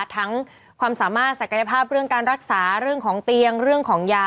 ความสามารถศักยภาพเรื่องการรักษาเรื่องของเตียงเรื่องของยา